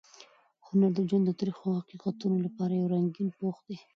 هنر د ژوند د تریخو حقیقتونو لپاره یو رنګین پوښ دی.